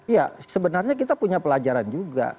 ya sebenarnya kita punya pelajaran juga